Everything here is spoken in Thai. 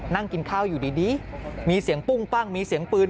นั่งกินข้าวอยู่ดีมีเสียงปุ้งปั้งมีเสียงปืน